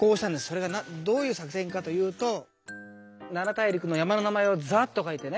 それがどういう作せんかと言うと七大陸の山の名前をザーッと書いてね